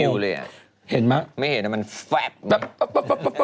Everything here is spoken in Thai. ไม่เห็นวิวเลยอ่ะไม่เห็นมันแฟป